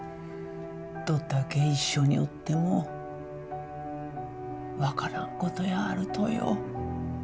どっだけ一緒におっても分からんことやあるとよ。